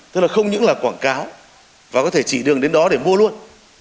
tức là không những là quảng cáo và có thể chỉ đường đến đó để mua luôn